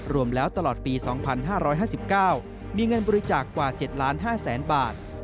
รวมแล้วตลอดปี๒๕๕๙มีเงินบริจาคกว่า๗๕๐๐๐๐บาท